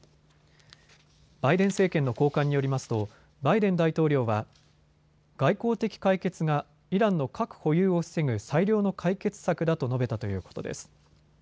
バイデン政権の高官によりますとバイデン大統領は外交的解決がイランの核保有を防ぐ最良の解決策だと述べたということです。